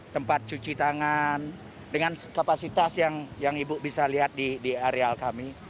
tempat cuci tangan dengan kapasitas yang ibu bisa lihat di areal kami